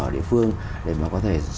địa phương để mà có thể